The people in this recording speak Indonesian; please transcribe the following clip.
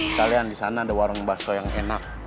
sekalian disana ada warung baso yang enak